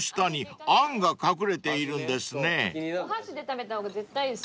お箸で食べた方が絶対いいですよ。